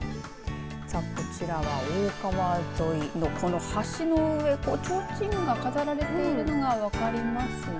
さあ、こちらは大川沿いのこの橋の上ちょうちんが飾られているのが分かりますね。